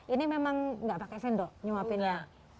ini memang gak pakai sendok nyuapin ya